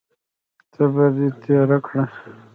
تبر دې تېره کړه!